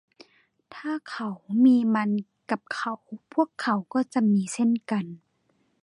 ถ้าเขามีมันกับเขาพวกเขาก็จะมีเช่นกัน